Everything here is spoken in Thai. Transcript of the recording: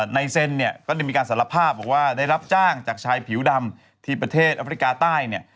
เซ็นเนี่ยก็ได้มีการสารภาพบอกว่าได้รับจ้างจากชายผิวดำที่ประเทศอเมริกาใต้เนี่ย